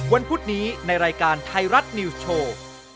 พุธนี้ในรายการไทยรัฐนิวส์โชว์